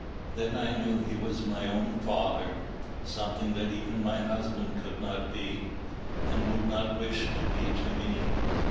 Then I knew he was my own father, something that even my husband could not be, and would not wish to be to me.